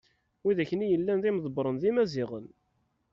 widak-nni yellan d imḍebren d imaziɣen.